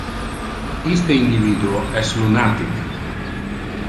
Iste individuo es lunatic!